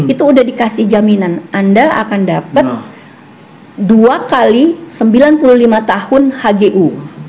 itu sudah dikasih jaminan anda akan dapat dua x sembilan puluh lima tahun hgu